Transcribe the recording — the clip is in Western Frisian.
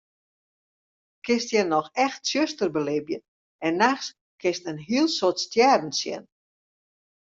Kinst hjir noch echt tsjuster belibje en nachts kinst in hiel soad stjerren sjen.